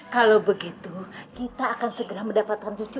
kalau begitu kita akan segera mendapatkan cucu